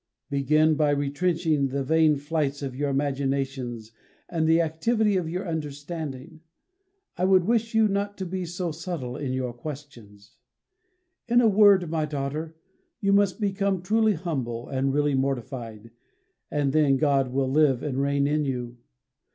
Begin by retrenching the vain flights of your imaginations and the activity of your understanding. I would wish you not to be so subtle in your questions. In a word, my daughter, you must become truly humble and really mortified, and then God will live and reign in you.